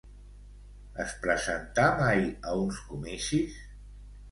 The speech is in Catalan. Es presentà mai a uns comicis?